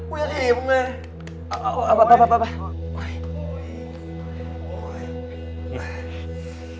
กูยักษ์รู้แม่